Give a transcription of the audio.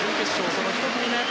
その１組目。